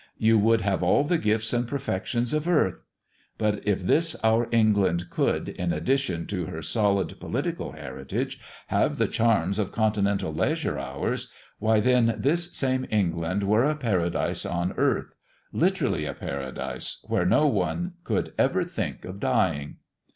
You would have all the gifts and perfections of earth! But if this our England could, in addition to her solid political heritage, have the charms of continental leisure hours, why then this same England were a Paradise on earth literally a Paradise, where no one could ever think of dying."